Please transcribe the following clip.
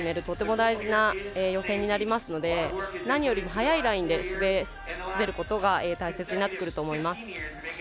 とても大事な予選になりますので何よりも早いラインで滑ることが大切になってくると思います。